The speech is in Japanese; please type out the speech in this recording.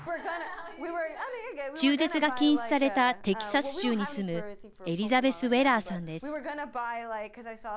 中絶が禁止されたテキサス州に住むエリザベス・ウェラーさんです。